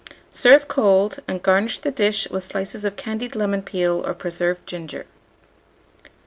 Serve cold, and garnish the dish with slices of candied lemon peel or preserved ginger.